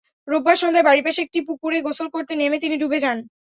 রোববার সন্ধ্যায় বাড়ির পাশে একটি পুকুরে গোসল করতে নেমে তিনি ডুবে যান।